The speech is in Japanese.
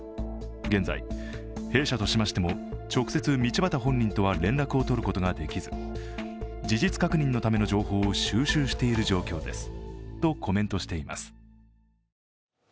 現在、弊社としましても、直接道端本人とは連絡を取ることができず事実確認のための情報を収集している状況ですとコメントしています。